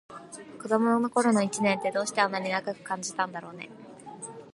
子どもの頃の一年って、どうしてあんなに長く感じたんだろうね。